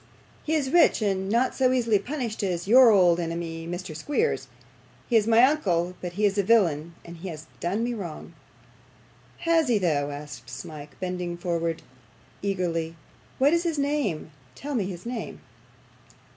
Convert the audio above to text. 'He is rich, and not so easily punished as YOUR old enemy, Mr. Squeers. He is my uncle, but he is a villain, and has done me wrong.' 'Has he though?' asked Smike, bending eagerly forward. 'What is his name? Tell me his name.